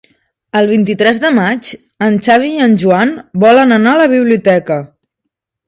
El vint-i-tres de maig en Xavi i en Joan volen anar a la biblioteca.